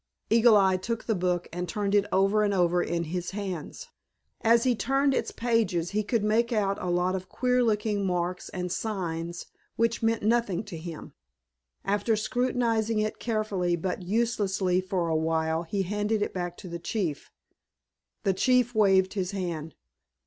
Eagle Eye took the book and turned it over and over in his hands. As he turned its pages he could make out a lot of queer looking marks and signs, which meant nothing to him. After scrutinizing it carefully but uselessly for a while he handed it back to the chief. The chief waved his hand.